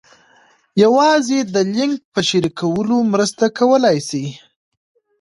یوازې د لینک په شریکولو مرسته کولای سئ.